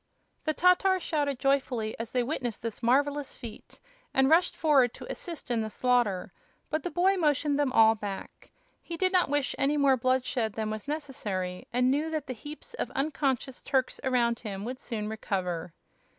The Tatars shouted joyfully as they witnessed this marvelous feat and rushed forward to assist in the slaughter; but the boy motioned them all back. He did not wish any more bloodshed than was necessary, and knew that the heaps of unconscious Turks around him would soon recover.